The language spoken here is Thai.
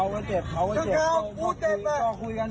ก็เจ็บกันคนละเล็กคน